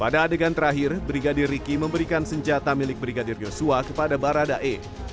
di adegan terakhir brigadir riki memberikan senjata milik brigadir yosua kepada barada e